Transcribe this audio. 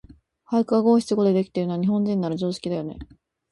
俳句が五七五でできているのは、日本人なら常識だよね。